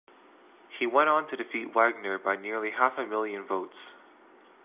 He went on to defeat Wagner by nearly half a million votes.